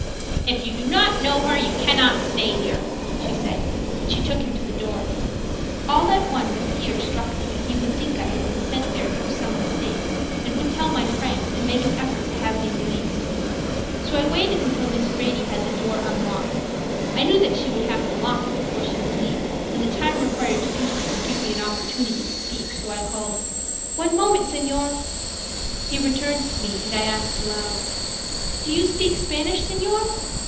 "If you do not know her you cannot stay here," she said, and she took him to the door. All at once a fear struck me that he would think I had been sent there through some mistake and would tell my friends and make an effort to have me released. So I waited until Miss Grady had the door unlocked. I knew that she would have to lock it before she could leave, and the time required to do so would give me opportunity to speak, so I called: "One moment, senor." He returned to me and I asked aloud: "Do you speak Spanish, senor?"